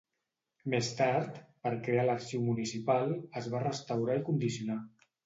Més tard, per crear l'Arxiu Municipal, es va restaurar i condicionar.